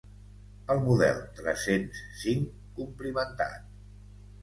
El model tres-cents cinc complimentat.